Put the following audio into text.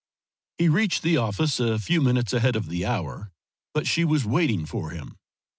He reached the office a few minutes ahead of the hour, but she was waiting for him.